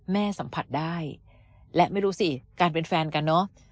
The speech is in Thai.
สัมผัสได้และไม่รู้สิการเป็นแฟนกันเนอะ